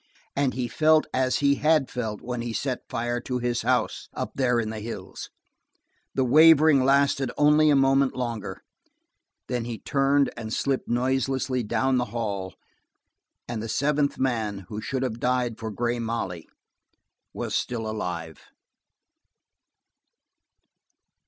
And he felt as he had felt when he set fire to his house up there in the hills. The wavering lasted only a moment longer; then he turned and slipped noiselessly down the hall, and the seventh man who should have died for Grey Molly was still alive.